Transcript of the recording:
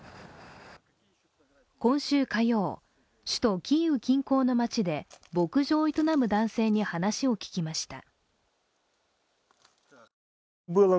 今週火曜、首都キーウ近郊の町で牧場を営む男性に話を聞きました。